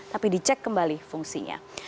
tapi dicek kembali fungsinya